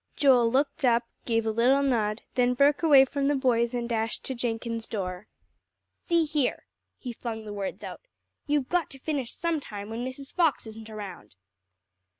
Joel looked up, gave a little nod, then broke away from the boys, and dashed to Jenkins' door. "See here," he flung the words out, "you've got to finish sometime when Mrs. Fox isn't round."